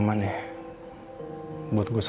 sayang juga jadi mahal ini